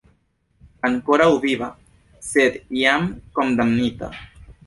Ankoraŭ viva, sed jam kondamnita.